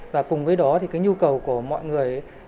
và cùng với đó thì cái nhu cầu của mọi người